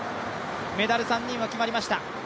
メダル３人は決まりました。